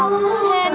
con sẽ đi học thêm